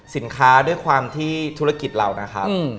ด้วยความที่ธุรกิจเรานะครับ